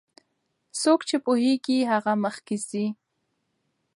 څوک چې پوهیږي هغه مخکې ځي.